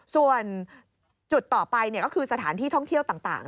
ส่วนจุดต่อไปก็คือสถานที่ท่องเที่ยวต่าง